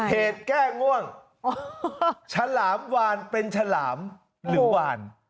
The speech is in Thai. เหตุแก้ง่วงฉลามวานเป็นฉลามหรือวาน